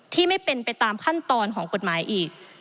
ที่ไม่เป็นไปตามขั้นตอนของกฎหมายอีก